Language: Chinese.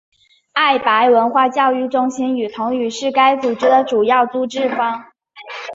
爱白文化教育中心与同语是该组织的主要资助方。